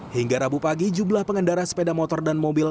hingga rabu pagi jumlah pengendara sepeda motor dan mobil